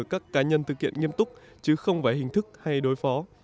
các cá nhân thực hiện nghiêm túc chứ không phải hình thức hay đối phó